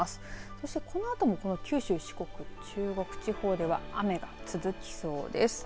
そして、このあとも九州、四国、中国地方では雨が続きそうです。